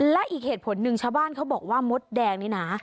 และอีกเหตุผลหนึ่งชาวบ้านเขาบอกว่ามดแดงนี่นะ